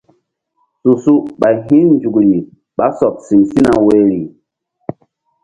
Su su ɓay hi̧nzukri ɓa sɔɓ siŋ sina woyri.